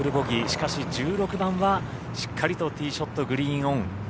しかし、１６番はしっかりとティーショットグリーンオン。